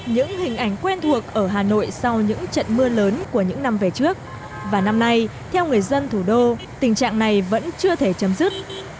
những hình ảnh quen thuộc ở hà nội sau những trận mưa lớn của những năm về trước và năm nay theo người dân thủ đô tình trạng này vẫn chưa thể chấm dứt